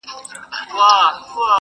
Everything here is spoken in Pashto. لکه باغوان چي پر باغ ټک وهي لاسونه.!